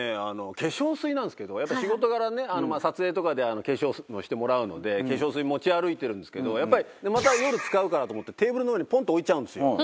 化粧水なんですけどやっぱ仕事柄ね撮影とかで化粧をしてもらうので化粧水持ち歩いてるんですけどやっぱりまた夜使うからと思ってテーブルの上にポンと置いちゃうんですよ。